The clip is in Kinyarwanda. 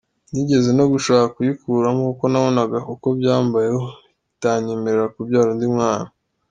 Nigeze no gushaka kuyikuramo kuko nabonaga uko mbayeho bitanyemerera kubyara undi mwana.